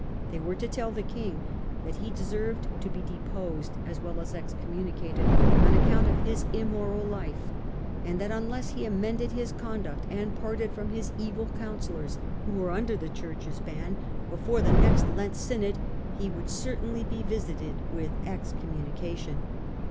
They were to tell the king that he deserved to be deposed as well as excommuni cated on account of his immoral life, and that unless he amended his conduct, and parted from his evil coun sellors, who were under the Church's ban, before the Digitized by VjOOQIC Strife between Henry IV. and the Pope 113 ' next Lent synod, he would certainly be visited with excommunication.